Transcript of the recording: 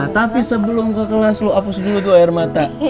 tapi sebelum ke kelas lo hapus dulu tuh air mata